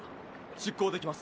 出港できます。